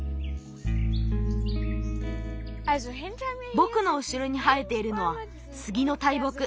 ぼくのうしろに生えているのはスギの大木。